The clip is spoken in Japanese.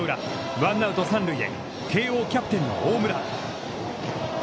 ワンアウト三塁で慶応キャプテンの大村。